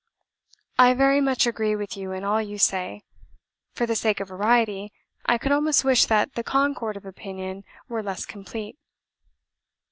"I very much agree with you in all you say. For the sake of variety, I could almost wish that the concord of opinion were less complete.